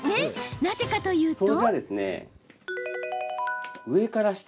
なぜかというと。